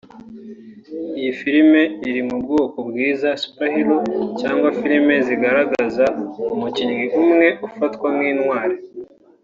Iyi filime iri mu bwoko bw’iza “Superhero” cyangwa filime zigaragaza umukinnyi umwe ufatwa nk’intwari